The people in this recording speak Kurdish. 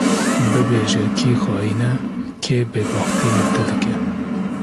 Bibêje kî xayîn e, kê bêbextî li te dike